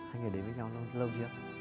anh ấy đến với nhau lâu chưa